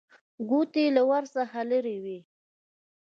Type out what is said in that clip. کوټې له ور څخه لرې وې.